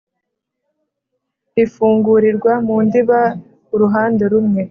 rifungurirwa mu ndiba uruhande rumwe.